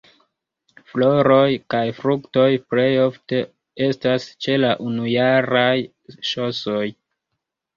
Floroj kaj fruktoj plej ofte estas ĉe la unujaraj ŝosoj.